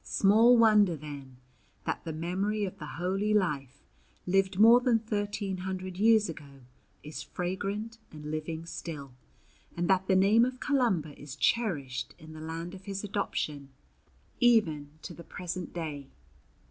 Small wonder then that the memory of the holy life lived more than thirteen hundred years ago is fragrant and living still, and that the name of Columba is cherished in the land of his adoption even to the present day.